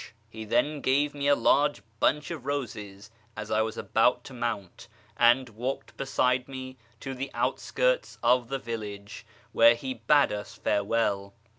He then gave me a large bunch of roses as I was about to mount, and walked beside me to the outskirts of the village, where he bade us farewell.